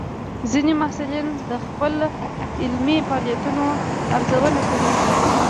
ځینې محصلین د خپل علمي فعالیتونو ارزونه کوي.